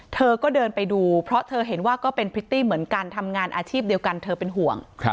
เธอก็เดินไปดูเพราะเธอเห็นว่าก็เป็นพริตตี้เหมือนกันทำงานอาชีพเดียวกันเธอเป็นห่วง